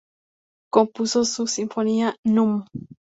Compuso su "Sinfonía núm.